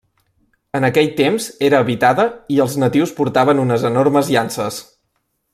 En aquell temps era habitada i els natius portaven unes enormes llances.